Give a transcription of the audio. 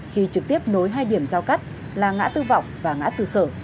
khi trực tiếp nối hai điểm giao cắt là ngã tư vọng và ngã tư sở